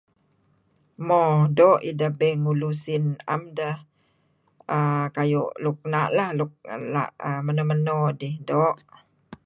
Mo doo' ideh bank ngulu sin dih, 'am deh err kayu luk err meno-meno dih, doo'.